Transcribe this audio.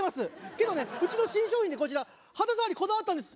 けどねうちの新商品ねこちら肌触りこだわったんです。